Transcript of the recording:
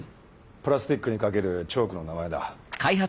プラスチックに描けるチョークの名前だ。